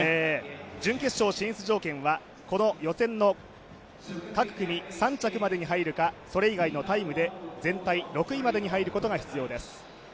準決勝進出条件はこの予選の各組３着までに入るかそれ以外のタイムで全体６位までに入ることが必要です。